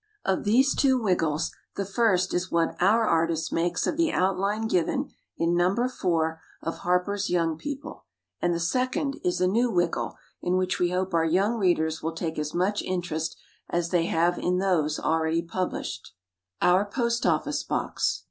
Of these two Wiggles, the first is what our artist makes of the outline given in No. 4 of Harper's Young People, and the second is a new Wiggle, in which we hope our young readers will take as much interest as they have in those already published. [Illustration: OUR POST OFFICE BOX.